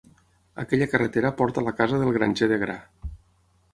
Aquella carretera porta a la casa del granger de gra.